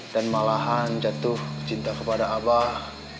dan malahan jatuh cinta kepada abah